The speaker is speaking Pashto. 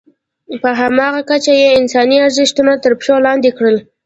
په همغه کچه یې انساني ارزښتونه تر پښو لاندې کړل.